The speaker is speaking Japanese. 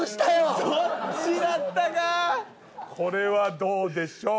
これはどうでしょう。